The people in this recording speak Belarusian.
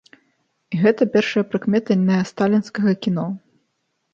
І гэта першая прыкмета нэасталінскага кіно.